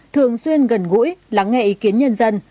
thường xuyên gần gũi lắng nghe ý kiến nhân dân